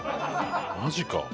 マジか。